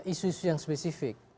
isu isu yang spesifik